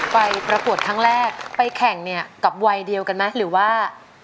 ประกวดครั้งแรกไปแข่งเนี่ยกับวัยเดียวกันไหมหรือว่า